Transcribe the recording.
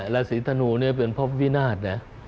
ราศีธนูเป็นพบวินาศ